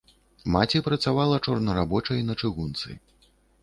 Маці працавала чорнарабочай на чыгунцы.